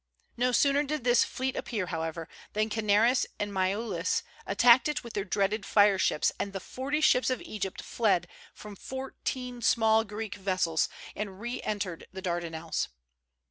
No sooner did this fleet appear, however, than Canaris and Miaulis attacked it with their dreaded fire ships, and the forty ships of Egypt fled from fourteen small Greek vessels, and re entered the Dardanelles.